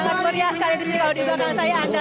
memang terasa saya air youtari uvo tentu saja